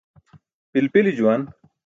Pilpili juwan.